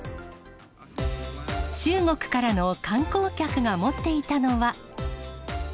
中国からの観光客が持っていたのは。